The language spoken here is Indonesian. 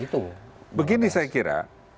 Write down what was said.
itu begini saya kira